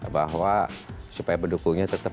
bahwa supaya pendukungnya terkumpul